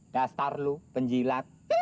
dasar lu penjilat